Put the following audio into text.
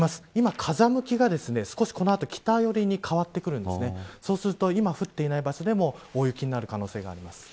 風向きがこの後北寄りに変わってくるのでそうすると今降っていない場所でも大雪になる可能性があります。